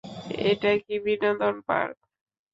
এটা কি বিনোদন পার্ক?